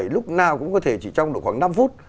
lúc nào cũng có thể chỉ trong độ khoảng năm phút